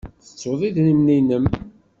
Tettud idrimen-nnem?